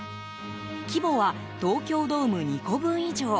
規模は東京ドーム２個分以上。